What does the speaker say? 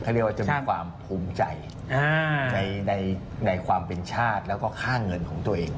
เขาเรียกว่าจะมีความภูมิใจในความเป็นชาติแล้วก็ค่าเงินของตัวเอง